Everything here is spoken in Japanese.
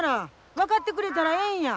分かってくれたらええんや。